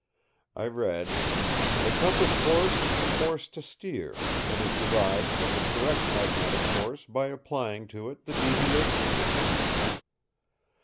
I read: "The Compass Course is the course to steer, and is derived from the Correct Magnetic Course by applying to it the Deviation."